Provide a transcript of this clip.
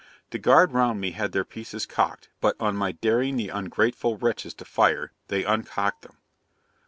The guard round me had their pieces cocked, but on my daring the ungrateful wretches to fire, they uncocked them.